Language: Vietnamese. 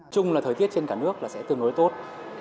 chúng là thời tiết trên cả nước sẽ tương đối tốt